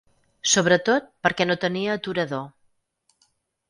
Sobretot perquè no tenia aturador.